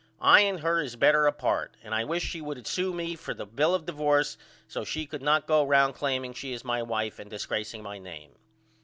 I and her is better apart and I wish she would sew me for a bill of divorce so she could not go round claiming she is my wife and disgraceing my name.